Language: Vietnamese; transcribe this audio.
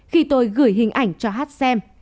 khi tôi gửi hình ảnh cho hát xem